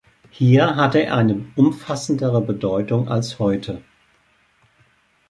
Hier hatte er eine umfassendere Bedeutung als heute.